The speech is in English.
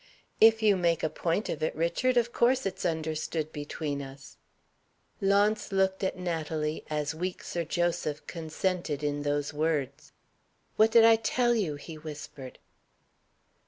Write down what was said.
"If you make a point of it, Richard, of course it's understood between us." Launce looked at Natalie, as weak Sir Joseph consented in those words. "What did I tell you?" he whispered.